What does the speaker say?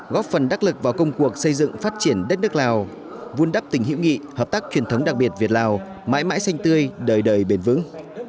góp phần đắc lực vào công cuộc xây dựng phát triển đất nước lào vun đắp tình hiểu nghị hợp tác truyền thống đặc biệt việt lào mãi mãi xanh tươi đời đời bền vững